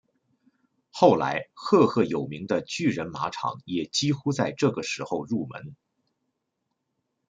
后来赫赫有名的巨人马场也几乎在这个时候入门。